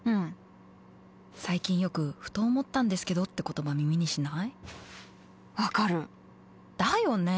最近、よくふと思ったんですけどって言葉、耳にしない。だよね。